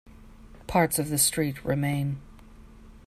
Parts of the street remain.